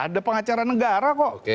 ada pengacara negara kok